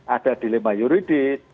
ada dilema juridis